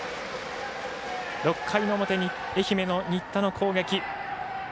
６回の表、愛媛の新田の攻撃。